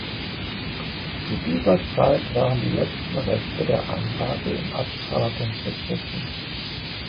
Zu dieser Zeit waren die letzten Reste der Anlage in Abtragung begriffen.